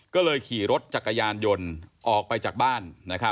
ก็เลยขี่รถจักรยานยนต์ออกไปจากบ้าน